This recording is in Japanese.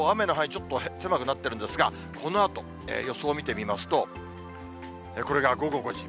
ちょっと狭くなっているんですが、このあと、予想を見てみますと、これが午後５時。